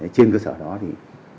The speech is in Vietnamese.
trên cơ sở đó thì